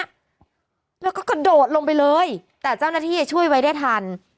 แล้วก็กระโดดลงไปเลยแต่เจ้าหน้าที่ช่วยไว้ได้ทัน